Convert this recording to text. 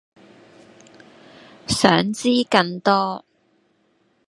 想知更多